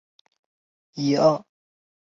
四川的多山地区损失最严重。